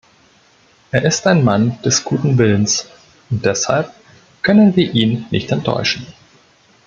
Er ist ein Mann des guten Willens, und deshalb können wir ihn nicht enttäuschen.